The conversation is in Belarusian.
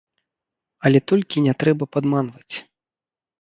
Але толькі не трэба падманваць.